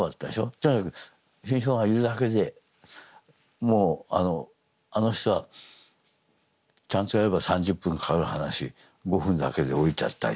とにかく志ん生がいるだけでもうあの人はちゃんとやれば３０分かかる噺５分だけで終えちゃったり。